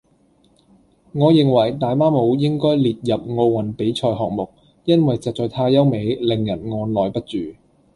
我認為大媽舞應該列入奧運比賽項目，因為實在太優美，令人按耐不住